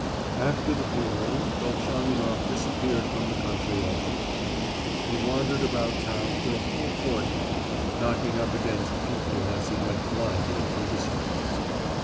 After the funeral Velchaninoff disappeared from the country altogether. He wandered about town for a whole fortnight, knocking up against people as he went blindly through the streets.